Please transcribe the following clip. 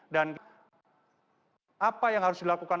apa yang harus dilakukan